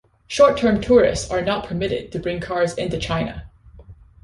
Short-term tourists are not permitted to bring cars into China.